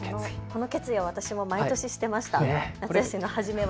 この決意は私も毎年していました、初めは。